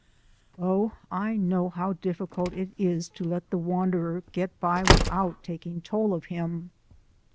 Oh, I know how difficult it is to let the wanderer get by without taking toll of him!